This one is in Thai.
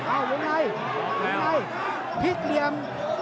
อ้าววิ่งไงวิ่งไงพลิกเหลี่ยม